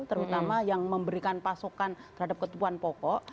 terutama yang memberikan pasokan terhadap kebutuhan pokok